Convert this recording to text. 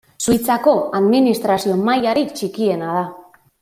Suitzako administrazio mailarik txikiena da.